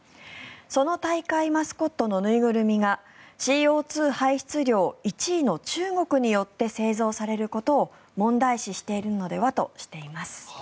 その大会マスコットの縫いぐるみがＣＯ２排出量１位の中国によって製造されることを問題視しているのではとしています。